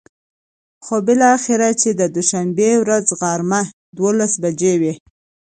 خو بلااخره چې د دوشنبې ورځ غرمه ،دولس بچې وې.